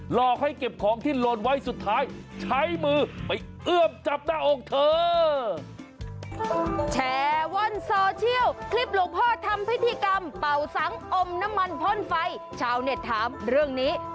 ลอกให้เก็บของที่โหลนไว้สุดท้ายใช้มือไปเอื้อมจับหน้าอกเธอ